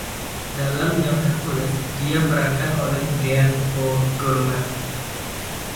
Dalam "Young Hercules", dia perankan oleh Dean O'Gorman.